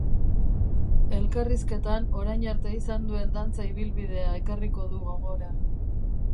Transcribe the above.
Elkarrizketan, orain arte izan duen dantza ibilbidea ekarriko du gogora.